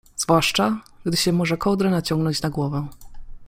zwłaszcza, gdy się może kołdrę naciągnąć na głowę.